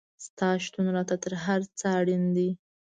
ستا شتون راته تر هر څه اړین دی